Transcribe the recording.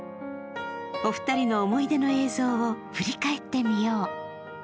お二人の思い出の映像を振り返ってみよう。